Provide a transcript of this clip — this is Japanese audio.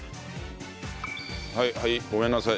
はいはいごめんなさい。